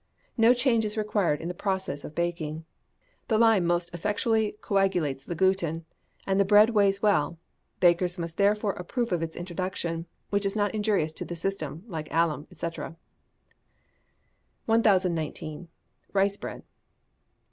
No change is required in the process of baking. The lime most effectually coagulates the gluten, and the bread weighs well; bakers must therefore approve of its introduction, which is not injurious to the system, like alum, &c. 1019. Rice Bread.